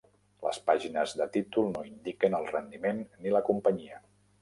Les pàgines de títol no indiquen el rendiment ni la companyia.